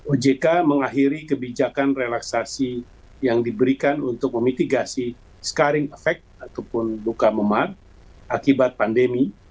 ojk mengakhiri kebijakan relaksasi yang diberikan untuk memitigasi scaring effect ataupun buka memar akibat pandemi